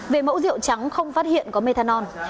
về mẫu rượu trắng không phát hiện có methamphetamine